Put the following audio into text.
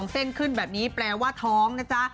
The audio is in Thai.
เส้นขึ้นแบบนี้แปลว่าท้องนะจ๊ะ